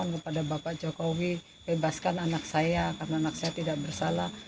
saya mohon kepada pak jokowi untuk membabaskan anak saya karena anak saya tidak bersalah